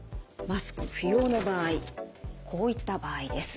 マスク不要の場合こういった場合です。